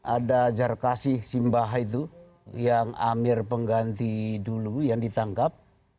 ada jarkasih simbah itu yang amir pengganti dulu yang ditangkap